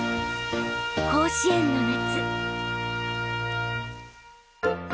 甲子園の夏